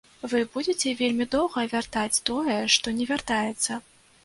Вы будзеце вельмі доўга вяртаць тое, што не вяртаецца.